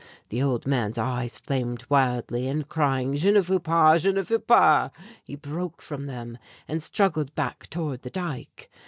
The old man's eyes flamed wildly, and crying, "J'ne veux pas! j'ne veux pas!" he broke from them and struggled back toward the dike.